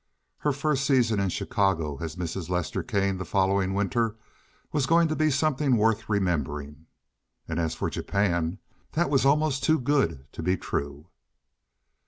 Her first season in Chicago as Mrs. Lester Kane the following winter was going to be something worth remembering. And as for Japan—that was almost too good to be true.